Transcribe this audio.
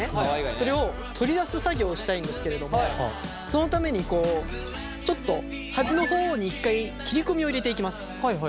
これを取り出す作業をしたいんですけれどもそのためにちょっと端の方に一回切り込みを入れていきます。